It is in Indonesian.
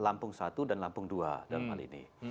lampung satu dan lampung dua dalam hal ini